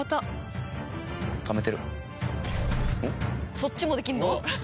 そっちもできるの？